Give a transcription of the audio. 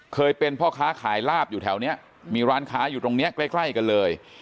เคยเป็นพ่อค้าขายลาบอยู่แถวนี้มีร้านค้าอยู่ตรงนี้ใกล้กันเลย